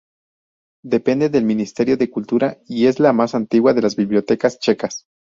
Depende del Ministerio de Cultura y es la más antigua de las bibliotecas checas.